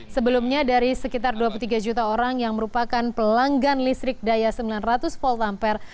sebelumnya dari sekitar dua puluh tiga juta orang yang merupakan pelanggan listrik daya sembilan ratus volt ampere